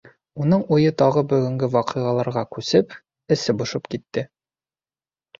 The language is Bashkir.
Уның уйы тағы бөгөнгө ваҡиғаларға күсеп, эсе бошоп китте.